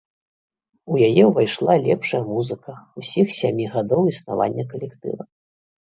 У яе ўвайшла лепшая музыка ўсіх сямі гадоў існавання калектыва.